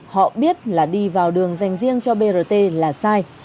họ biết là đi vào đường dành riêng cho brt là sai